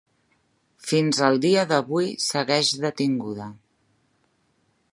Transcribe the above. Fins al dia d'avui segueix detinguda.